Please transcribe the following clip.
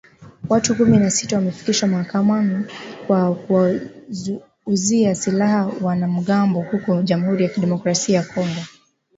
Watu kumi na sita wamefikishwa mahakamani kwa kuwauzia silaha wanamgambo huko jamuhuri ya kidemokrasaia ya Kongo